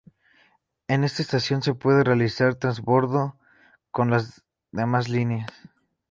En esta estación se puede realizar transbordo con las demás líneas.